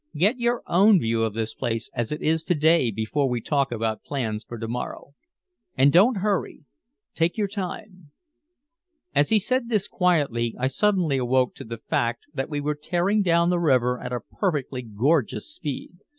Get your own view of this place as it is to day before we talk about plans for to morrow. And don't hurry. Take your time." As he said this quietly, I suddenly awoke to the fact that we were tearing down the river at a perfectly gorgeous speed.